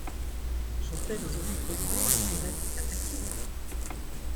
Sont-elles aujourd’hui trop grandes pour être attaquées ?